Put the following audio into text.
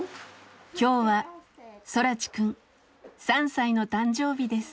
今日は空知くん３歳の誕生日です。